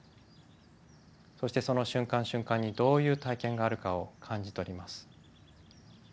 そしてその瞬間瞬間にどういう体験があるかを感じ取ります。